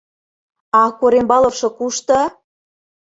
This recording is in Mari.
А Корембаловшо кушто?